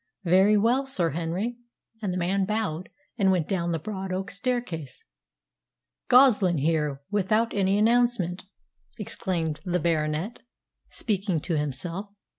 "Very well, Sir Henry;" and the man bowed and went down the broad oak staircase. "Goslin here, without any announcement!" exclaimed the Baronet, speaking to himself.